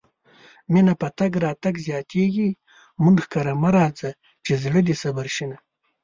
مينه په تګ راتګ زياتيږي مونږ کره مه راځه چې زړه دې صبر شينه